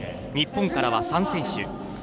日本からは３選手。